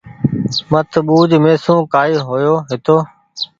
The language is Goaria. مت ٻوُج مهسون ڪآئي هويو هيتو